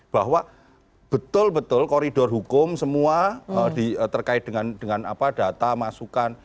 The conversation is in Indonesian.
bahwa betul betul koridor hukum semua terkait dengan data masukan